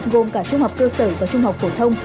gồm cả trung học cơ sở và trung học phổ thông